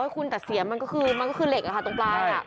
คุณแต่เสียมมันก็คือเหล็กค่ะตรงปลาย